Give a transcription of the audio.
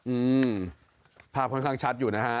อืมภาพค่อนข้างชัดอยู่นะฮะ